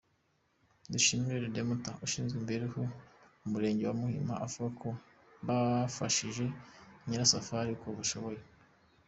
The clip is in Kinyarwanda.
Dushime Redempta ushinzwe imibereho mu murenge wa Muhima uvuga ko bafashije Nyirasafari uko bashoboye.